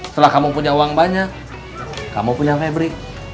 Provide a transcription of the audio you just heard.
setelah kamu punya uang banyak kamu punya febri